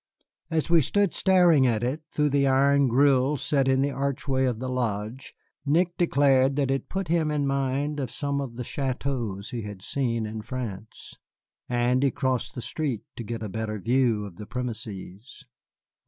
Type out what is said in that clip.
As we stood staring at it through the iron grille set in the archway of the lodge, Nick declared that it put him in mind of some of the châteaux he had seen in France, and he crossed the street to get a better view of the premises.